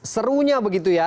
serunya begitu ya